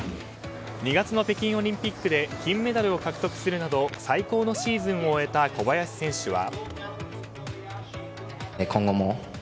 ２月の北京オリンピックで金メダルを獲得するなど最高のシーズンを終えた小林選手は。